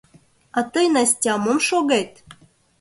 А тый, Настя, мом шогет!